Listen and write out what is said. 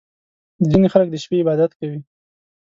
• ځینې خلک د شپې عبادت کوي.